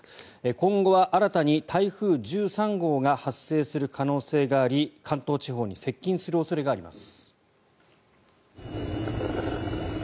今後は新たに台風１３号が発生する可能性があり関東地方に接近する恐れがあります。